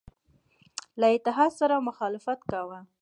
له اتحاد سره مخالفت کاوه.